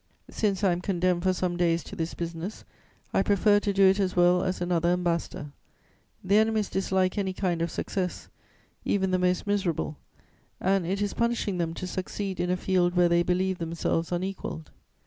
Since I am condemned for some days to this business, I prefer to do it as well as another ambassador. The enemies dislike any kind of success, even the most miserable, and it is punishing them to succeed in a field where they believe themselves unequalled.